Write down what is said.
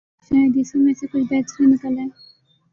شاید اسی میں سے کچھ بہتری نکل آئے۔